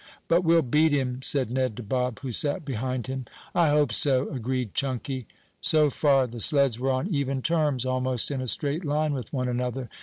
"But we'll beat him," said Ned to Bob, who sat behind him. "I hope so," agreed Chunky. So far the sleds were on even terms, almost in a straight line with one another.